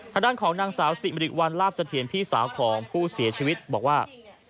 ทางด้านของนางสาวสิริวัลลาบเสถียรพี่สาวของผู้เสียชีวิตบอกว่า